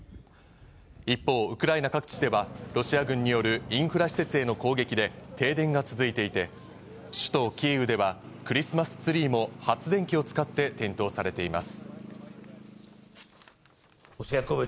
一方、ウクライナ各地では、ロシア軍によるインフラ施設への攻撃で、停電が続いていて、首都キーウでは、クリスマスツリーも発電機を使って点灯されています。